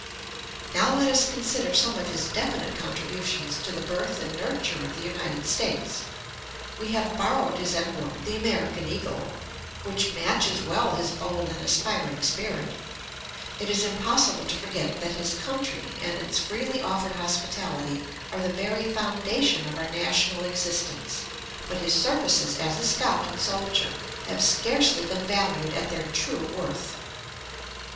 Now let us consider some of his definite contributions to the birth and nurture of the United States. We have borrowed his emblem, the American eagle, which matches well his bold and aspiring spirit. It is impossible to forget that his country and its freely offered hospitality are the very foundation of our national existence, but his services as a scout and soldier have scarcely been valued at their true worth.